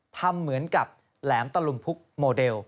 ทำเหมือนกับแหลมตะลุมพุกโมเดล